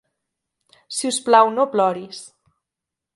Si us plau, no ploris.